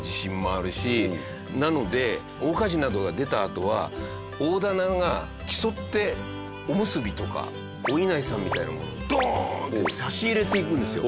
なので大火事などが出たあとは大店が競っておむすびとかおいなりさんみたいなものをドーンッて差し入れていくんですよ。